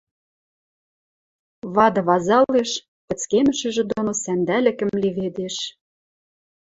Вады вазалеш, пӹцкемӹшӹжӹ доно сӓндӓлӹкӹм леведеш.